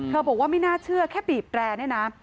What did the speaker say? บอกว่าไม่น่าเชื่อแค่บีบแรร์เนี่ยนะ